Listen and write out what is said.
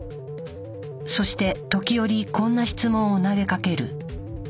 そして時折こんな質問を投げかける。